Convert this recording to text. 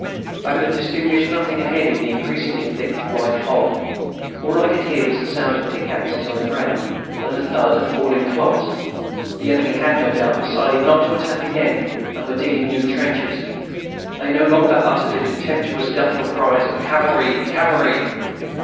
I could distinguish nothing ahead in the increasingly thick white fog. All I could hear was the sound of pickaxes on the ground and the thud of falling clods. The enemy had, no doubt, decided not to attack again and were digging new trenches. They no longer uttered their contemptuous guttural cries of "Cavalry! Cavalry!"